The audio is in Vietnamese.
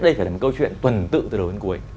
đây phải là một câu chuyện tuần tự từ đầu đến cuối